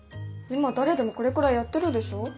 今誰でもこれくらいやってるでしょ？